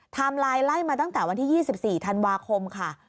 ไลน์ไล่มาตั้งแต่วันที่๒๔ธันวาคมค่ะ